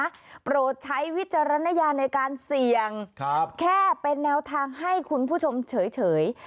โปรดใช้วิจารณญาในการเสี่ยงครับแค่เป็นแนวทางให้คุณผู้ชมเฉย